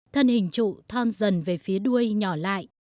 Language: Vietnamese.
thân hình trụ thon dần về phía đuôi nhỏ lại